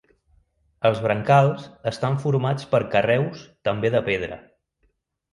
Els brancals estan formats per carreus també de pedra.